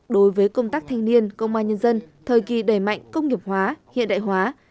đối với công tác thanh niên công an nhân dân thời kỳ đầy mạnh công nghiệp hóa hiện đại hóa